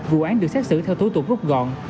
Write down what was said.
vụ án được xét xử theo thối tục gốc gọn